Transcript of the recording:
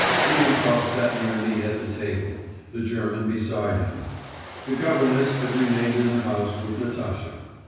Priemkov sat near me at the table, the German beside him. The governess had remained in the house with Natasha.